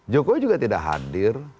jokowi juga tidak hadir